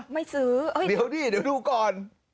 ไม่ซื้อเดี๋ยวดิเดี๋ยวดูก่อน